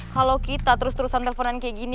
kalau kita terus terusan teleponan kayak gini